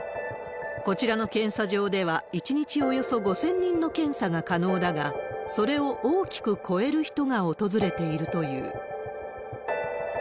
こちらの検査場では、１日およそ５０００人の検査が可能だが、それを大きく超える人が訪れているという。